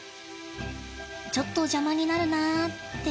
ちょっと邪魔になるなって。